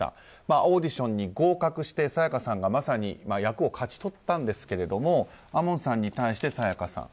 オーディションに合格して沙也加さんがまさに役を勝ち取ったんですけれども亞門さんに対して沙也加さん。